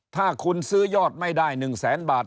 ถ้าคุณซื้อยอดไม่ได้๑แสนบาท